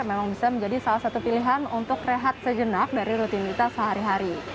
memang bisa menjadi salah satu pilihan untuk rehat sejenak dari rutinitas sehari hari